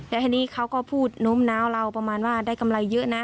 แล้วทีนี้เขาก็พูดโน้มน้าวเราประมาณว่าได้กำไรเยอะนะ